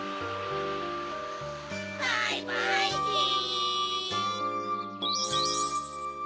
バイバイキン！